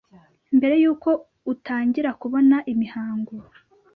Mbere y’uko utangira kubona imihango,